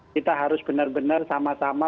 kita harus benar benar sama sama